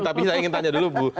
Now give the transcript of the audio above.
tapi saya ingin tanya dulu bu